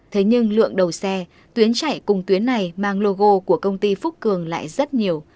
thế nhưng lượng đầu xe tuyến chạy cùng tuyến này mang logo của công ty phúc cường lại rất nhiều